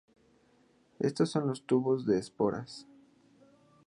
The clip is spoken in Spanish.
Estos son los tubos de esporas.